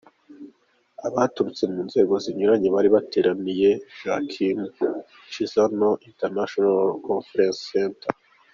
Abaturutse mu nzego zinyuranye bari bateraniye Joaquim Chissano International Conference Center .